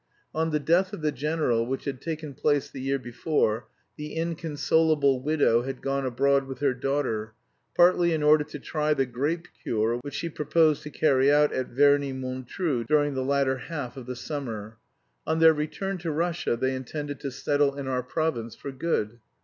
On the death of the general, which had taken place the year before, the inconsolable widow had gone abroad with her daughter, partly in order to try the grape cure which she proposed to carry out at Verney Montreux during the latter half of the summer. On their return to Russia they intended to settle in our province for good.